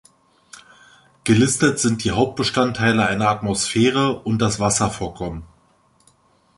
Gelistet sind die Hauptbestandteile einer Atmosphäre und das Wasservorkommen.